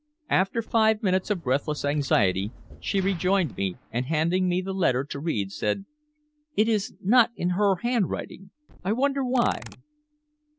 After five minutes of breathless anxiety she rejoined me, and handing me the letter to read, said: "It is not in her handwriting I wonder why?"